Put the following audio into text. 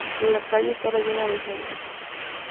La calle estaba llena de gente.